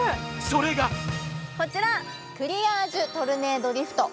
それがこちら、クリアージュトルネードリフト。